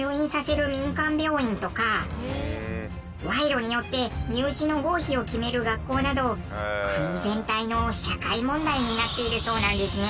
賄賂によって入試の合否を決める学校など国全体の社会問題になっているそうなんですね。